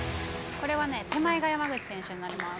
これは手前が山口選手になります。